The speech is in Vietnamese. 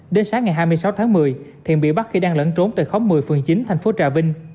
đến sáng ngày hai mươi sáu tháng một mươi thiện bị bắt khi đang lẫn trốn tại khóm một mươi phường chín thành phố trà vinh